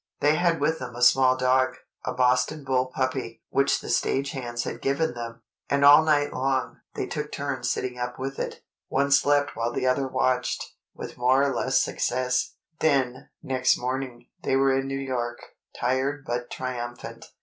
They had with them a small dog—a Boston bull puppy, which the stage hands had given them—and all night long, they took turns sitting up with it. One slept while the other watched, with more or less success. Then, next morning, they were in New York, tired but triumphant.